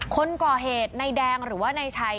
คนก่อเหตุในแดงหรือว่านายชัย